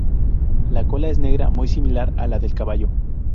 La cola es negra muy similar a la del caballo.